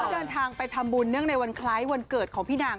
เดินทางไปทำบุญเนื่องในวันคล้ายวันเกิดของพี่นาง